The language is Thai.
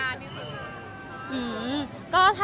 มันเป็นปัญหาจัดการอะไรครับ